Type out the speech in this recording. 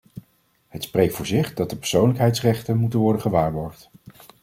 Het spreekt voor zich dat de persoonlijkheidsrechten moeten worden gewaarborgd.